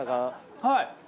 はい。